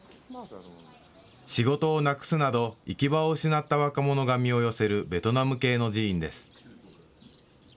仕事をなくすなど行き場を失った若者が身を寄せるベトナム系の寺院です。